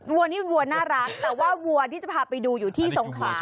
วัวนี่เป็นวัวน่ารักแต่ว่าวัวที่จะพาไปดูอยู่ที่สงขลา